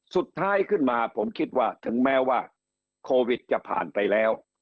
สุดท้ายขึ้นมาผมคิดว่าถึงแม้ว่าโควิดจะผ่านไปแล้ว